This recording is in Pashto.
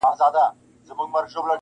ستا توري باښې غلیمه ټولي مقدسي دي,